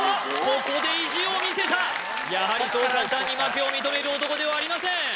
ここで意地を見せたやはりそう簡単に負けを認める男ではありません